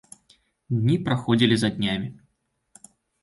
Дні праходзілі за днямі.